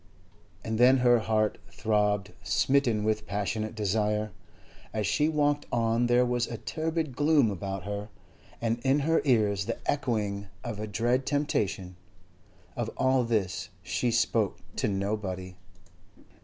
And then her heart throbbed, smitten with passionate desire. As she walked on there was a turbid gloom about her, and in her ears the echoing of a dread temptation. Of all this she spoke to nobody.